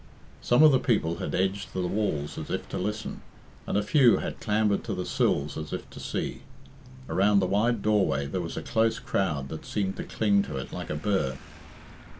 Some of the people had edged to the walls as if to listen, and a few had clambered to the sills as if to see. Around the wide doorway there was a close crowd that seemed to cling to it like a burr.